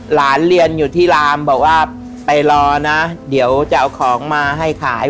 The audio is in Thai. หลานเรียนอยู่ที่ลามบอกว่าไปรอนะเดี๋ยวจะเอาของมาให้ขาย